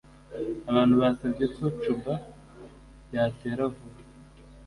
Abantu basabye ko Cuba yatera vuba.